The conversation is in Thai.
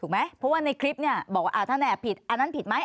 ถูกไหมเพราะว่าในคลิปเนี่ยบอกว่าอ่าท่านแหน่บผิดอันนั้นผิดไหม